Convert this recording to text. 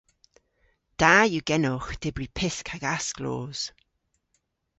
Da yw genowgh dybri pysk hag asklos.